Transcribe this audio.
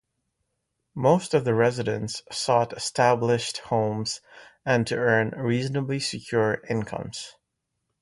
Most of the new residents sought established homes and to earn reasonably secure incomes.